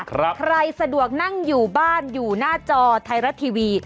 ใครสะดวกนั่งอยู่บ้านอยู่หน้าจอไทยรัฐทีวี